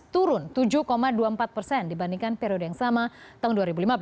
turun tujuh dua puluh empat persen dibandingkan periode yang sama tahun dua ribu lima belas